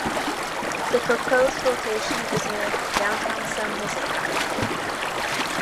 The proposed location is near downtown San Jose.